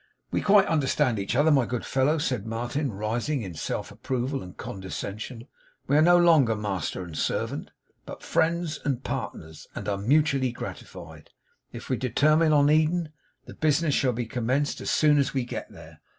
'We quite understand each other, my good fellow,' said Martin rising in self approval and condescension. 'We are no longer master and servant, but friends and partners; and are mutually gratified. If we determine on Eden, the business shall be commenced as soon as we get there.